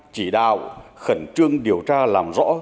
chỉ đạo khẩn trương điều tra làm rõ